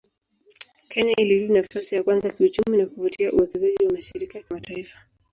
Kenya ilirudi nafasi ya kwanza kiuchumi na kuvutia uwekezaji wa mashirika ya kimataifa